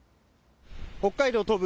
北海道東部